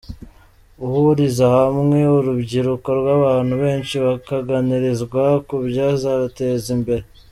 Uhuriza hamwe urubyiruko rw’abantu benshi bakaganirizwa ku byazabateza imbere.